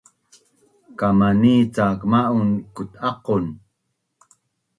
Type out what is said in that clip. kamani cak ma’un kut’aqon